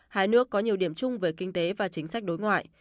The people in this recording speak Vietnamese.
hai nước có nhiều điểm chung về kinh tế và chính sách đối ngoại